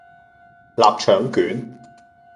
臘腸卷